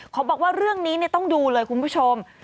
เขาบอกว่าเรื่องนี้ต้องดูเลยคุณผู้ชม